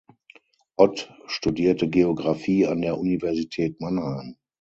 Ott studierte Geographie an der Universität Mannheim.